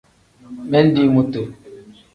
Mindi mutu.